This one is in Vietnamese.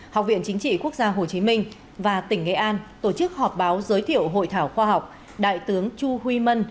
học viện chính trị quốc gia hồ chí minh và tỉnh nghệ an tổ chức họp báo giới thiệu hội thảo khoa học đại tướng chu huy mân